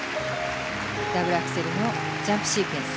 ダブルアクセルのジャンプシークエンス。